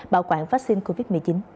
bảo quản vaccine covid một mươi chín